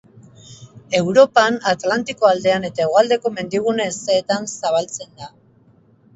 Europan, Atlantiko aldean eta hegoaldeko mendigune hezeetan zabaltzen da.